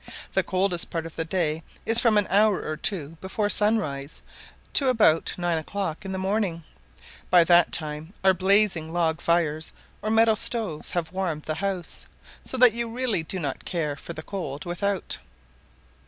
The coldest part of the day is from an hour or two before sunrise to about nine o'clock in the morning; by that time our blazing log fires or metal stoves have warmed the house, so that you really do not care for the cold without.